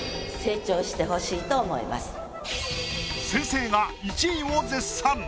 先生が１位を絶賛！